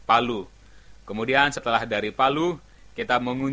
aku tinggal dalam yesus